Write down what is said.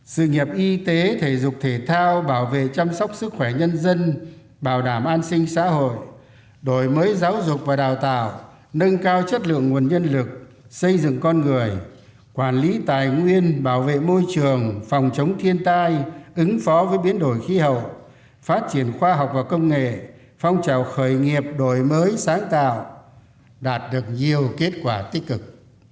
sự nghiệp y tế thể dục thể thao bảo vệ chăm sóc sức khỏe nhân dân bảo đảm an sinh xã hội đổi mới giáo dục và đào tạo nâng cao chất lượng nguồn nhân lực xây dựng con người quản lý tài nguyên bảo vệ môi trường phòng chống thiên tai ứng phó với biến đổi khí hậu phát triển khoa học và công nghệ phong trào khởi nghiệp đổi mới sáng tạo đạt được nhiều kết quả tích cực